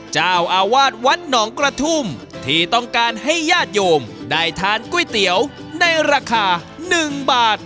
เจ้าอาวาสวัดหนองกระทุ่มที่ต้องการให้ญาติโยมได้ทานก๋วยเตี๋ยวในราคา๑บาท